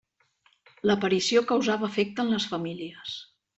L'aparició causava efecte en les famílies.